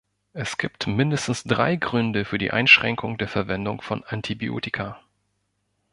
Es gibt mindestens drei Gründe für die Einschränkung der Verwendung von Antibiotika.